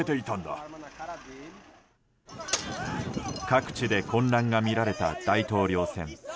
各地で混乱が見られた大統領選。